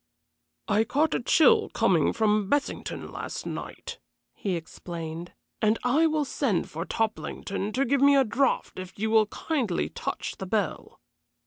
"I caught a chill coming from Bessington last night," he explained, "and I will send for Toplington to give me a draught if you will kindly touch the bell."